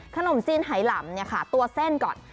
ขนมจีนไหลำตัวเส้นก่อน